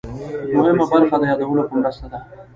دوهمه برخه د یادولو په مرسته ده.